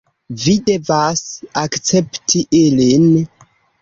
Vi devas akcepti ilin